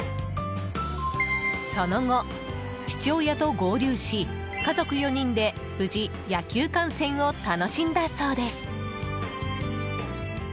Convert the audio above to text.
その後、父親と合流し家族４人で無事、野球観戦を楽しんだそうです。